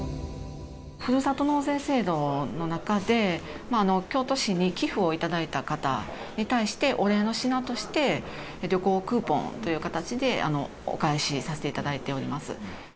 ふるさと納税制度の中で、京都市に寄付をいただいた方に、お礼の品として、旅行クーポンという形でお返しさせていただいております。